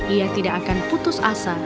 ia tidak akan putus asa